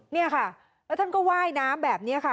นี่ค่ะแล้วท่านก็ว่ายน้ำแบบนี้ค่ะ